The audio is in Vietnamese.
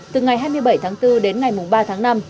từ ngày hai mươi bảy tháng bốn đến ngày ba tháng năm